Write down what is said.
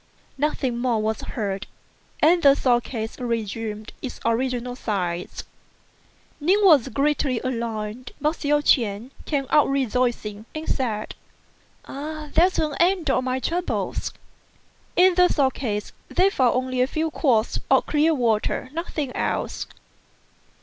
Nothing more was heard, and the sword case resumed its original size. Ning was greatly alarmed, but Hsiao ch'ien came out rejoicing, and said, "There's an end of my troubles." In the sword case they found only a few quarts of clear water; nothing else.